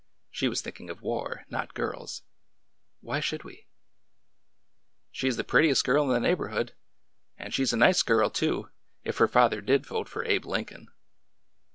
She was thinking of war, not girls. " Why should we ?" She is the prettiest girl in the neighborhood,— and she 's a nice girl, too,— if her father did vote for Abe Lincoln."